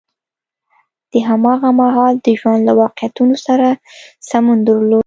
د هماغه مهال د ژوند له واقعیتونو سره سمون درلود.